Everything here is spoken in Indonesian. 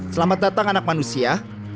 selamat datang anak manusia